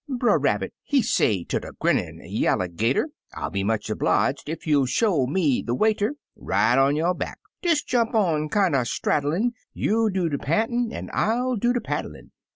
Brer Rabbit he say ter de grinnin' Yalligater, " I'll be much erbleegedef you'll show me de way ter Ride on yo'back." "Des jump kinder straddlin'; You do de pantin', and I'll do de paddlin'."